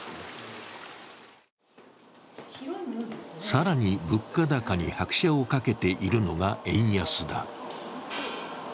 更に、物価高に拍車をかけているのが円安だ。